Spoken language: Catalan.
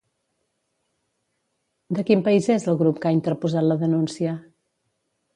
De quin país és el grup que ha interposat la denúncia?